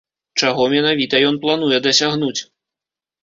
Чаго менавіта ён плануе дасягнуць?